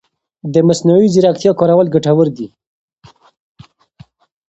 د مصنوعي ځېرکتیا کارول ګټور دي.